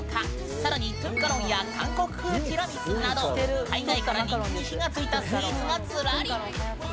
さらにトゥンカロンや韓国風ティラミスなど海外から人気に火がついたスイーツがずらり！